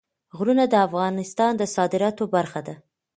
غرونه د افغانستان د صادراتو برخه ده.